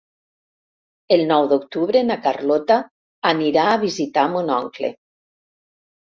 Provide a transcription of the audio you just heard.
El nou d'octubre na Carlota anirà a visitar mon oncle.